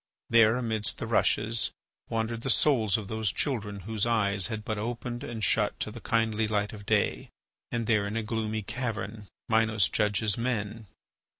There, amidst the rushes, wandered the souls of those children whose eyes had but opened and shut to the kindly light of day, and there in a gloomy cavern Minos judges men.